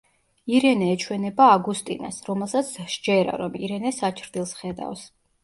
ირენე ეჩვენება აგუსტინას, რომელსაც სჯერა, რომ ირენეს აჩრდილს ხედავს.